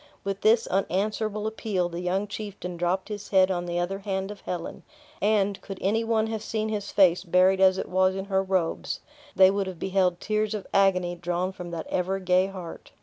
With this unanswerable appeal, the young chieftain dropped his head on the other hand of Helen; and, could any one have seen his face buried as it was in her robes, they would have beheld tears of agony drawn from that every gay heart.